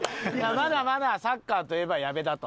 まだまだサッカーといえば矢部だと。